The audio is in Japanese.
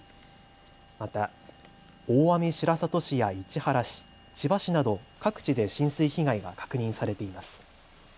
また大網白里市や市原市、千葉市など各地で浸水被害が確認されています。